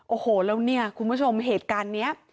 โอ้โหแล้วเนี่ยคุณผู้ชมเหตุการณ์นี้